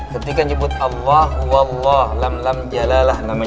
ketika nyebut allah wa' allah lam lam jalalah